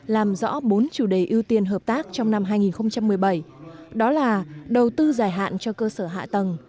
làm rõ bốn chủ đề ưu tiên hợp tác trong năm hai nghìn một mươi bảy đó là đầu tư dài hạn cho cơ sở hạ tầng